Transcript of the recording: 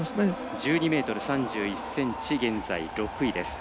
１２ｍ３１ｃｍ、現在６位。